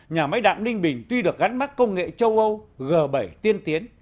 nhà máy đạm ninh bình tuy được gắn mắt công nghệ châu âu g bảy tiên tiến